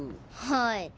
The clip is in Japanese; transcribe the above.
はい。